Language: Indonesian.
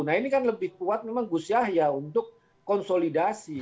nah ini kan lebih kuat memang gus yahya untuk konsolidasi